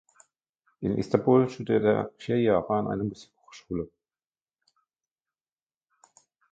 In Istanbul studierte er vier Jahre an einer Musikhochschule.